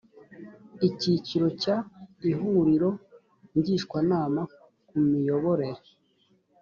icyiciro cya ihuriro ngishwanama ku miyoborere